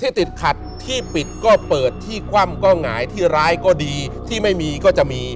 ติดขัดที่ปิดก็เปิดที่คว่ำก็หงายที่ร้ายก็ดีที่ไม่มีก็จะมี